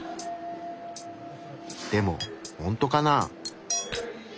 でもほんとかな？